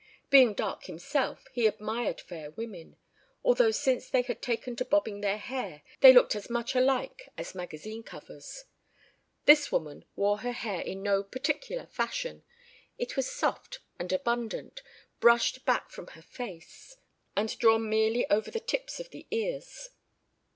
Being dark himself, he admired fair women, although since they had taken to bobbing their hair they looked as much alike as magazine covers. This woman wore her hair in no particular fashion. It was soft and abundant, brushed back from her face, and drawn merely over the tips of the ears.